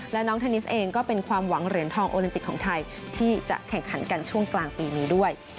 และน้องเทนนิสเองก็เป็นความหวังเหรียญทองโอลิมปิกของไทยที่จะแข่งขันกันช่วงกลางปีนี้ด้วย